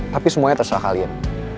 tapi semuanya terserah kalian